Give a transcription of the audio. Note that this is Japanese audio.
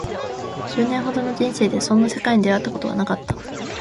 十年ほどの人生でそんな世界に出会ったことはなかった